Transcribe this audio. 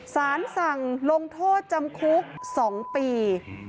สารสั่งลงโทษจำคุก๒ปี